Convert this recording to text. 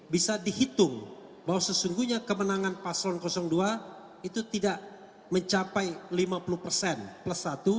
bisa dihitung bahwa sesungguhnya kemenangan paslon dua itu tidak mencapai lima puluh persen plus satu